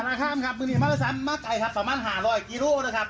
มาแต่สารข้ามครับมือนี้มาแล้วสามมาไกลครับประมาณห้าร้อยกิโลกรัมนะครับ